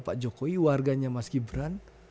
pak jokowi warganya mas gibran